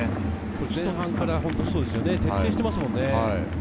前半から徹底していますものね。